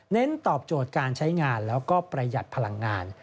ตอบโจทย์การใช้งานแล้วก็ประหยัดพลังงาน